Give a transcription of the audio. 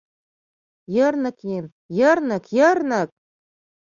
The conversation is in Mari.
Йырнык еҥ, йырнык, йырнык!